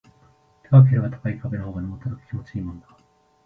高ければ高い壁の方が登った時気持ちいいもんな